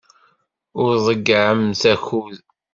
Ur tḍeyyɛemt akud.